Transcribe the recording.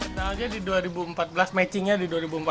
misalnya di dua ribu empat belas matchingnya di dua ribu empat belas